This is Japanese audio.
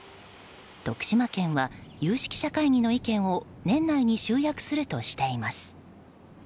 徳島県は有識者会議の意見を年内に集約するとしています。